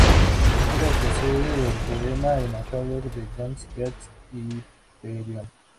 El título procede del poema inacabado de John Keats "Hiperión".